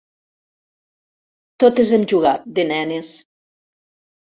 Totes hem jugat, de nenes.